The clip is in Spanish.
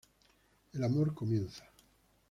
El amor comienza.